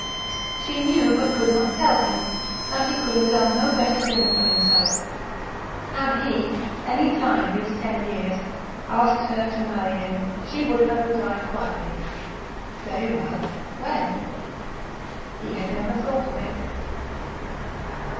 She knew, but could not tell him, that he could have done no better thing for himself. Had he, any time these ten years, asked her to marry him, she would have replied quietly, "Very well; when?" He had never thought of it....